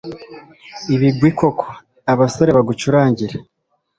ibigwi koko, abasore bagucurangire